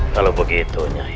kalau begitu nyai